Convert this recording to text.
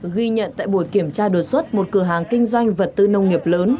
ghi nhận tại buổi kiểm tra đột xuất một cửa hàng kinh doanh vật tư nông nghiệp lớn